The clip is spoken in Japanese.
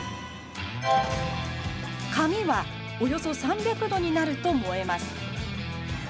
紙はおよそ３００度になると燃えます。